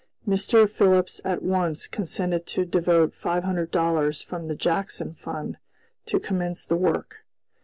Mr. Phillips at once consented to devote five hundred dollars from the "Jackson Fund" to commence the work.